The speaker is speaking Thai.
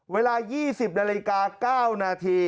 เวลา๒๐น๙น